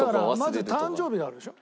まず誕生日があるでしょ。